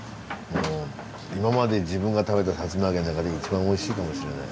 今まで自分が食べたさつま揚げの中で一番おいしいかもしれない。